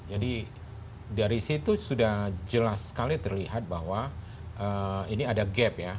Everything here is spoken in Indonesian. jadi dari situ sudah jelas sekali terlihat bahwa ini ada gap ya